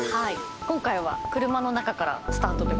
今回は車の中からスタートです。